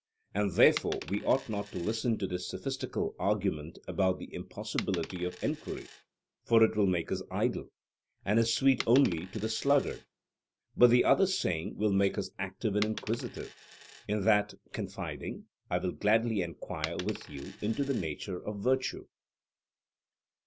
And therefore we ought not to listen to this sophistical argument about the impossibility of enquiry: for it will make us idle; and is sweet only to the sluggard; but the other saying will make us active and inquisitive. In that confiding, I will gladly enquire with you into the nature of virtue.